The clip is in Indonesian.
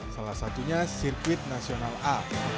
salah satunya sirkuit nasional a